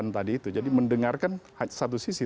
jadi itu harus mendengarkan satu sisi